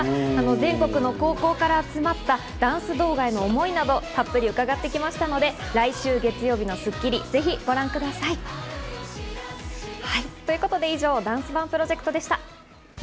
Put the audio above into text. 全国の高校から集まったダンス動画への思いなど、たっぷり伺ってきましたので来週月曜日の『スッキリ』、ぜひご覧ください。ということで以上ダンスＯＮＥプロジェクトでした。